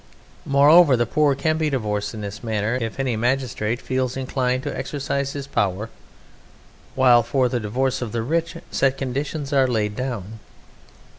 Moreover, the poor can be divorced in this manner, if any magistrate feels inclined to exercise his power, while for the divorce of the rich set conditions are laid down.